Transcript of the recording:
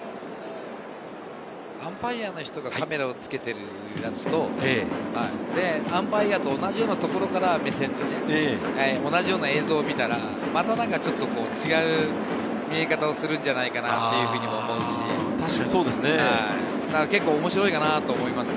アンパイアの人がカメラをつけているのを見ると、アンパイアと同じようなところからの目線で、同じような映像を見たら、また違う見え方がするんじゃないかなと思いますし、結構面白いかなと思います。